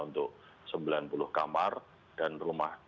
untuk sembilan puluh kamar dan rumah